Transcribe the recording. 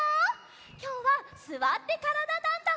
きょうは「すわってからだ☆ダンダン」！